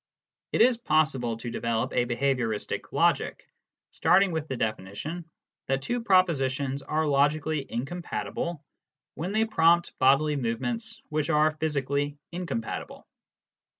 It is possible to develop a behaviouristic logic, starting with the definition that two propositions are logically incompatible when they prompt bodily movements which are physically incompatible.